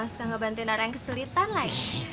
suka ngebantuin orang yang kesulitan lagi